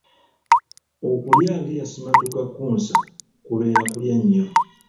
Okulya ng'eyasimattuka Kkunsa kubeera kulya nnyo.